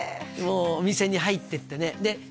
もうお店に入ってってね